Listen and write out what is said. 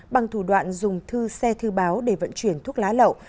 bằng thủ đoạn dùng thư xe thư báo để vận chuyển thuốc lá lậu